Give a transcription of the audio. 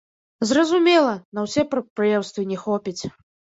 Зразумела, на ўсе прадпрыемствы не хопіць.